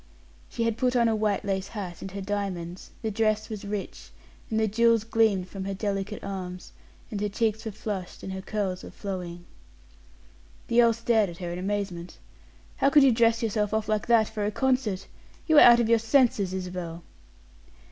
She had put on a white lace hat and her diamonds; the dress was rich, and the jewels gleamed from her delicate arms: and her cheeks were flushed and her curls were flowing. The earl stared at her in amazement. "How could you dress yourself off like that for a concert? You are out of yours senses, Isabel."